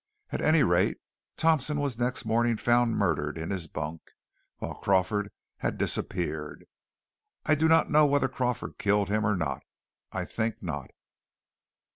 At any rate, Thompson was next morning found murdered in his bunk, while Crawford had disappeared. I do not know whether Crawford had killed him or not; I think not.